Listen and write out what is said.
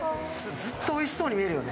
ずっとおいしそうに見えるよね。